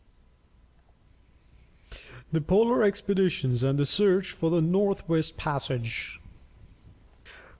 THE POLAR EXPEDITIONS AND THE SEARCH FOR THE NORTH WEST PASSAGE.